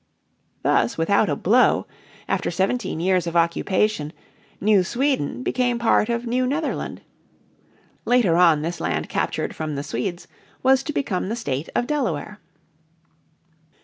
Thus without a blow, after seventeen years of occupation, New Sweden became part of New Netherland. Later on this land captured from the Swedes was to become the State of Delaware.